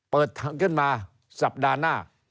เปิดทางขึ้นมาสัปดาห์หน้า